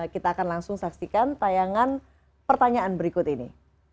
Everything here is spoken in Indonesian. kita akan langsung saksikan tayangan pertanyaan berikut ini